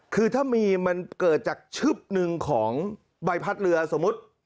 คือถ้ามีมันเกิดจากชึบหนึ่งของใบพัดเรือสมมุติ